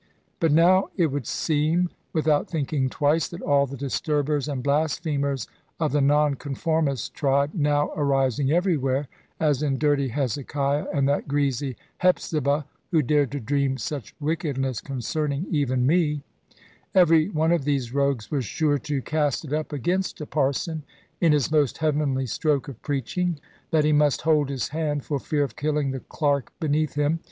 But now it was seen, without thinking twice, that all the disturbers and blasphemers of the Nonconformist tribe, now arising everywhere (as in dirty Hezekiah, and that greasy Hepzibah, who dared to dream such wickedness concerning even me), every one of these rogues was sure to cast it up against a parson, in his most heavenly stroke of preaching, that he must hold his hand, for fear of killing the clerk beneath him.